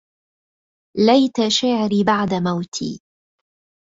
ليت شعري بعد موتي